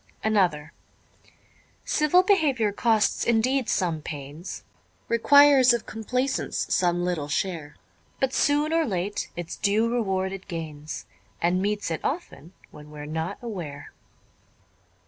_ Another _Civil behaviour costs indeed some pains, Requires of complaisance some little share; But soon or late its due reward it gains, And meets it often when we're not aware.